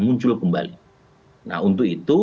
muncul kembali nah untuk itu